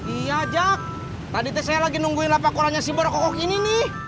iya jak tadi tis saya lagi nungguin lapak kolanya si borokokok ini nih